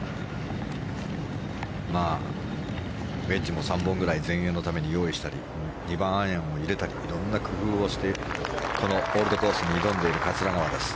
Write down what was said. ウェッジも３本ぐらい全英のために用意したり２番アイアンも入れたりいろんな工夫をしてオールドコースに挑んでいる桂川です。